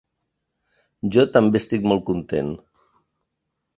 Jo també estic molt content.